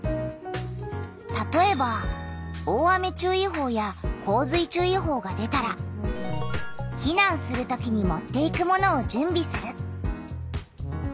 たとえば大雨注意報や洪水注意報が出たら「避難する時に持っていくものを準備する」。